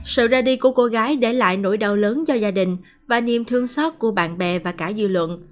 sự ra đi của cô gái để lại nỗi đau lớn cho gia đình và niềm thương xót của bạn bè và cả dư luận